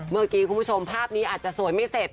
เมื่อกี้คุณผู้ชมภาพนี้อาจจะสวยไม่เสร็จ